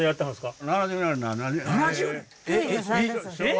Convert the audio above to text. えっ！？